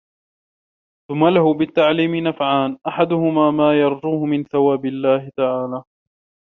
ثُمَّ لَهُ بِالتَّعْلِيمِ نَفْعَانِ أَحَدُهُمَا مَا يَرْجُوهُ مِنْ ثَوَابِ اللَّهِ تَعَالَى